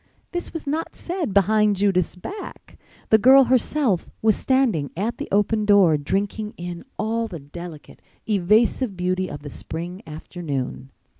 This was not said behind Judith's back. The girl herself was standing at the open door, drinking in all the delicate, evasive beauty of the spring afternoon.